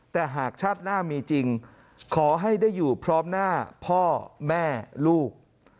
แต่หากชาติหน้ามีจริงขอให้ได้อยู่พร้อมหน้าพ่อแม่ลูก